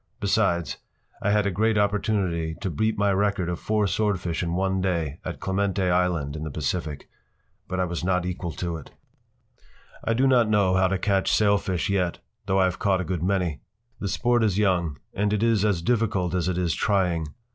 Besides, I had a great opportunity to beat my record of four swordfish in one day at Clemente Island in the Pacific. But I was not equal to it. I do not know how to catch sailfish yet, though I have caught a good many. The sport is young and it is as difficult as it is trying.